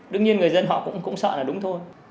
đương nhiên người dân họ cũng sợ là đúng thôi